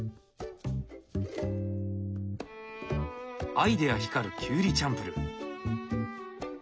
アイデア光るきゅうりチャンプルー。